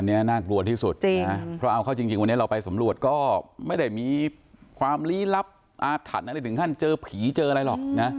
อันนี้น่ากลัวที่สุดเพราะเอาเข้าจริงวันนี้เราไปสำรวจก็ไม่ได้มีความลี้ลับอาถรรพ์อะไรถึงขั้นเจอผีเจออะไรหรอกนะ